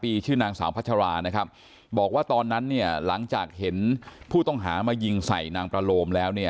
ชื่อนางสาวพัชรานะครับบอกว่าตอนนั้นเนี่ยหลังจากเห็นผู้ต้องหามายิงใส่นางประโลมแล้วเนี่ย